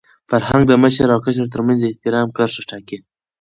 فرهنګ د مشر او کشر تر منځ د احترام کرښه ټاکي.